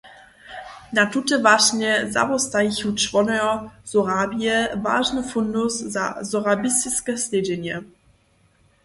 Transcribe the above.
Na tute wašnje zawostajichu čłonojo „Sorabie“ wažny fundus za sorabistiske slědźenje.